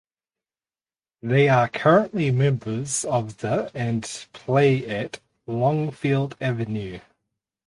They are currently members of the and play at Longfield Avenue.